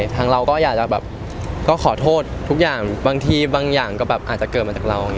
ทางเราก็อยากจะแบบก็ขอโทษทุกอย่างบางทีบางอย่างก็แบบอาจจะเกิดมาจากเรา